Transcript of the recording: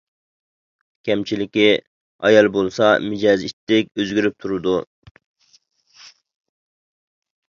كەمچىلىكى: ئايال بولسا مىجەزى ئىتتىك ئۆزگىرىپ تۇرىدۇ.